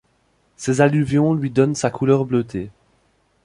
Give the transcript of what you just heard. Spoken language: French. Ces alluvions lui donnent sa couleur bleutée.